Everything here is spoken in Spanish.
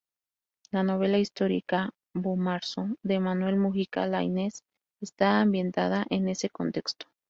La novela histórica "Bomarzo", de Manuel Mujica Lainez, está ambientada en ese contexto.